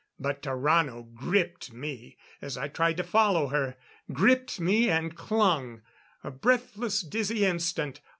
But Tarrano gripped me as I tried to follow her. Gripped me and clung. A breathless, dizzy instant.